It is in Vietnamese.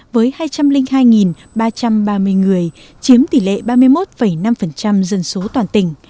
với hai trăm linh hai ba trăm ba mươi người